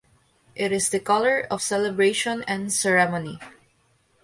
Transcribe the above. It is the color of celebration and ceremony.